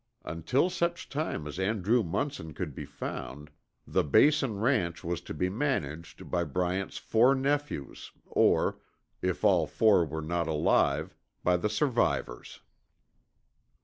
Until such time as Andrew Munson could be found, the Basin ranch was to be managed by Bryant's four nephews or, if all four were not alive, by the survivors.